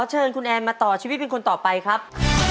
เชิญคุณแอนมาต่อชีวิตเป็นคนต่อไปครับ